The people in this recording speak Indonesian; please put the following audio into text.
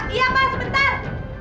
iya pak sebentar